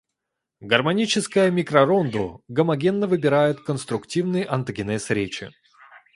Гармоническое микророндо гомогенно выбирает конструктивный онтогенез речи.